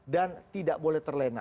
dan tidak boleh terlena